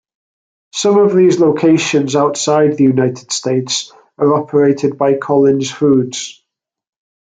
Some of these locations outside the United States are operated by Collins Foods.